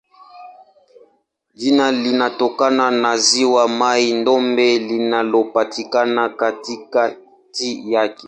Jina linatokana na ziwa Mai-Ndombe linalopatikana katikati yake.